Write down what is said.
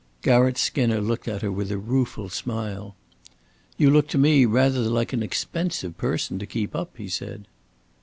Garratt Skinner looked at her with a rueful smile. "You look to me rather an expensive person to keep up," he said.